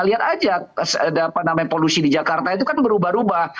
lihat aja polusi di jakarta itu kan berubah ubah